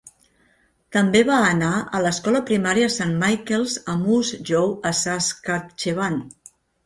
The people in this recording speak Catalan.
També va anar a l'escola primària Saint Michael's a Moose Jaw a Saskatchewan.